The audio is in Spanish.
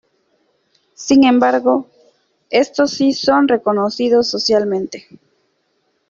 Sin embargo, estos si son reconocidos socialmente.